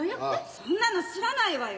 そんなの知らないわよ。